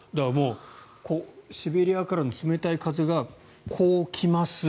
シベリアからの冷たい雪がこう来ます。